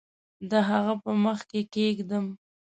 د هغه په مخ کې کښېږدم